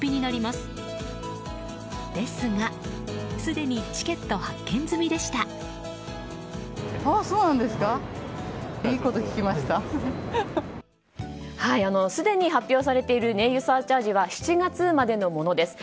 すでに発表されている燃油サーチャージは７月までのものです。